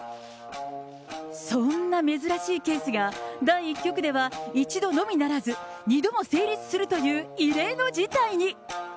そんな珍しいケースが、第１局では１度のみならず、２度も成立するという異例の事態に。